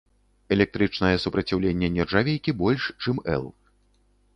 Электрычнае супраціўленне нержавейкі больш, чым эл.